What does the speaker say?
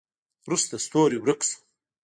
وروسته ستوری ورک شو.